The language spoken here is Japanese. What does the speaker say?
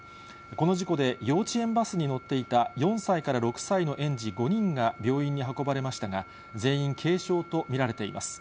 この事故で、幼稚園バスに乗っていた４歳から６歳の園児５人が病院に運ばれましたが、全員、軽傷と見られています。